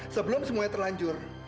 sebelum semuanya terlanjur